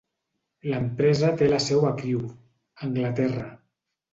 L'empresa té la seu a Crewe, Anglaterra.